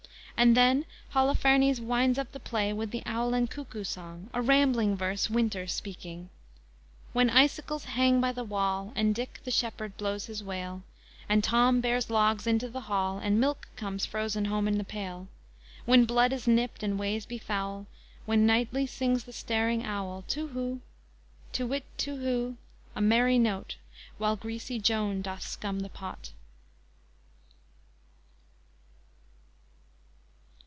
And then Holofernes winds up the play with the Owl and Cuckoo song, a rambling verse, Winter speaking: _When icicles hang by the wall, And Dick, the shepherd, blows his wail, And Tom bears logs into the hall, And milk comes frozen home in pail, When blood is nipped and ways be foul, When nightly sings the staring owl To who; Tu whit, to who, a merry note While greasy Joan doth scum the pot.